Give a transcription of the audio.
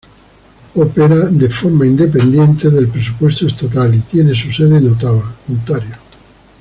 Opera de forma independiente del presupuesto estatal y tiene su sede en Ottawa, Ontario.